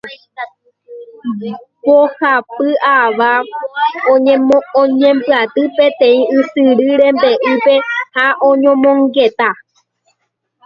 "Mbohapy ava oñembyaty peteĩ ysyry rembe'ýpe ha oñomongeta.